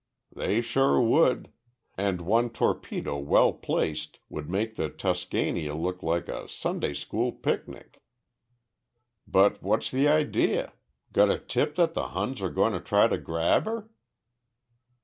"They sure would and one torpedo well placed would make the Tuscania look like a Sunday school picnic. But what's the idea? Got a tip that the Huns are going to try to grab her?"